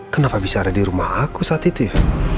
kenapa bisa ada di rumah aku saat itu ya